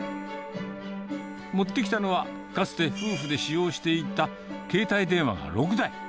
持ってきたのは、かつて夫婦で使用していた携帯電話が６台。